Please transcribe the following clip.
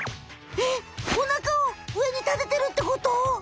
えおなかをうえにたててるってこと？